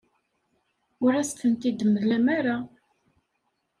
Ur as-tent-id-temlam ara.